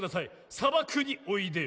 「さばくにおいでよ」。